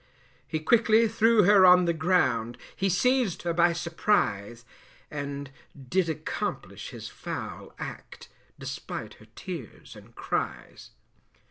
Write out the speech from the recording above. He quickly threw her on the ground, He seized her by surprise, And did accomplish his foul act, Despite her tears and cries.